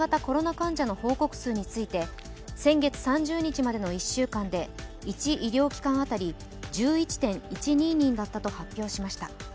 患者の報告数について先月３０日までの１週間で１医療機関当たり１１．１２人だったと発表しました。